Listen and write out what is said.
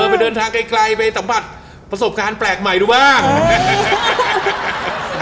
ไปเดินทางไกลไปสัมผัสประสบการณ์แปลกใหม่ดูบ้าง